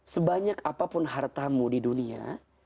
sebanyak apapun hartamu di dunia